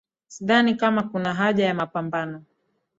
sidhani kama kuna haja ya mapambano